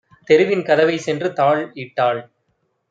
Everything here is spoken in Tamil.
தெருவின் கதவைச் சென்றுதாழ் இட்டாள்.